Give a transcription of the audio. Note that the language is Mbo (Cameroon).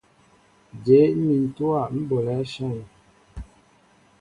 Jě mmin ntówa ḿ bolɛέ áshȃn ?